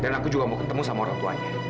dan aku juga mau ketemu sama orang tuanya